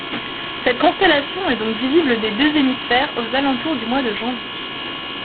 Cette constellation est donc visible des deux hémisphères, aux alentours du mois de janvier.